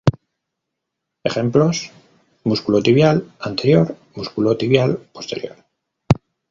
Ejemplos: músculo tibial anterior, músculo tibial posterior.